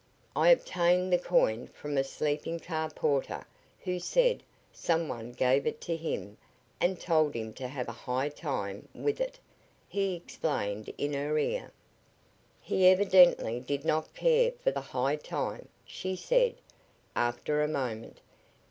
"I obtained the coin from a sleeping car porter who said some one gave it to him and told him to have a 'high time' with it," he explained in her ear. "He evidently did not care for the 'high time,'" she said, after a moment.